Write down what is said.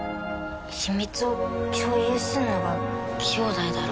秘密を共有するのが兄弟だろ。